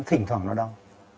thỉnh thoảng nó đau